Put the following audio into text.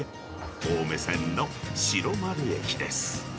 青梅線の白丸駅です。